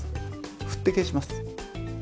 振って消します。